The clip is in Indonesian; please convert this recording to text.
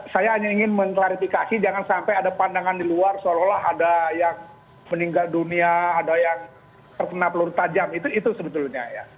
saya hanya ingin mengklarifikasi jangan sampai ada pandangan di luar seolah olah ada yang meninggal dunia ada yang terkena peluru tajam itu sebetulnya ya